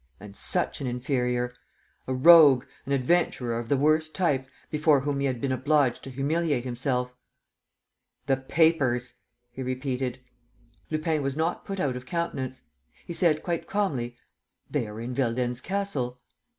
and such an inferior! A rogue, an adventurer of the worst type, before whom he had been obliged to humiliate himself! "The papers," he repeated. Lupin was not put out of countenance. He said, quite calmly: "They are in Veldenz Castle."